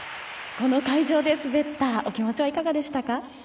この会場で滑ったお気持ちはいかがでしたか？